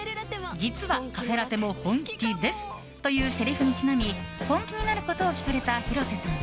実はカフェラテも本気ですというせりふにちなみ本気になることを聞かれた広瀬さんは。